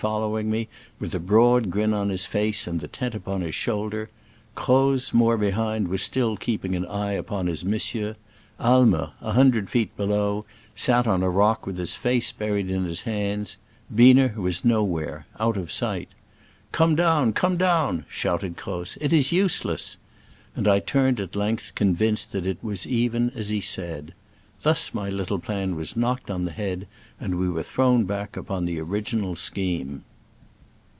"5 following me, with a broad grin upon his face and the tent upon his shoulder ; Croz, more behind, was still keeping an eye upon his monsieur ; Aimer, a hun dred feet below, sat on a rock with his face buried in his hands; Biener was nowhere, out of sight. "Come down, come down,'* shouted Croz, "it is use less ;" and I turned at length, convinced that it was even as he said. Thus my little plan was knocked on the head, and we were thrown back upon the orig inal scheme.